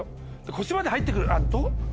腰まで入ってくる。